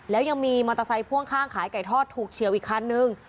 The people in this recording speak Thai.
แล้วยังมีมอเตอร์ไซค์พ่วงข้างขายไก่ทอดถูกเฉียวอีกคันนึง